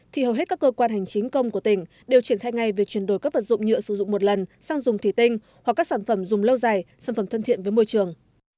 thì hầu hết các cơ quan hành chính công của tỉnh đều triển khai ngay việc chuyển đổi các vật dụng nhựa sử dụng một lần sang dùng thủy tinh hoặc các sản phẩm dùng lâu dài sản phẩm thân thiện với môi trường